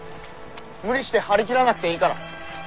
無理して張り切らなくていいから。